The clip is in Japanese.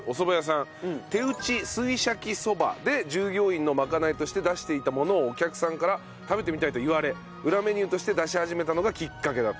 手打水車生そばで従業員の賄いとして出していたものをお客さんから食べてみたいと言われ裏メニューとして出し始めたのがきっかけだという。